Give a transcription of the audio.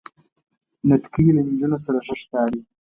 نتکۍ له نجونو سره ښه ښکاری.